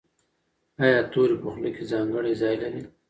ایا توری په خوله کې ځانګړی ځای لري؟